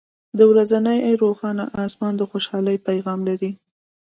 • د ورځې روښانه آسمان د خوشحالۍ پیغام لري.